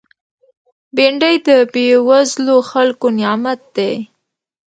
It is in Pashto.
بېنډۍ د بېوزلو خلکو نعمت دی